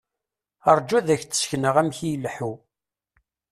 Ṛǧu ad ak-d-sekneɣ amek i ileḥḥu.